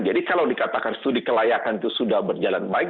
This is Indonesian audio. jadi kalau dikatakan studi kelayakan itu sudah berjalan baik